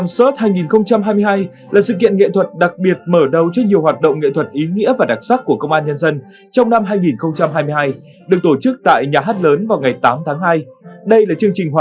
năm hai nghìn hai mươi hai thể thao công an nhân dân đạt nhiều thành tích cao